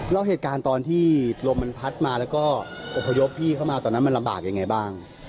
แล้วเหตุการณ์ตอนที่ลมมันพัดมาแล้วก็อบพยพพี่เข้ามาตอนนั้นมันลำบากยังไงบ้าง